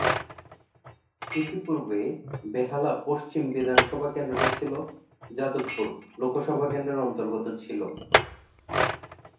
ইতিপূর্বে বেহালা পশ্চিম বিধানসভা কেন্দ্রটি যাদবপুর লোকসভা কেন্দ্রের অন্তর্গত ছিল।